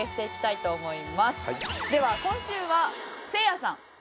では今週はせいやさん。